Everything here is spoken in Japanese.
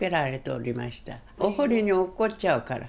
お堀に落っこっちゃうから。